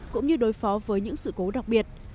cũng như đối phó với những sự cố đặc biệt